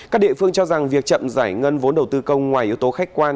các địa phương cho rằng việc chậm giải ngân vốn đầu tư công ngoài yếu tố khách quan